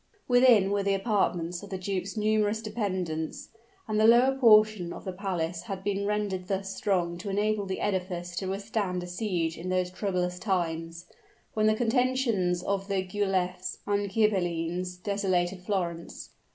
Within were the apartments of the duke's numerous dependents; and the lower portion of the palace had been rendered thus strong to enable the edifice to withstand a siege in those troublous times, when the contentions of the Guelphs and Ghibelines desolated Florence.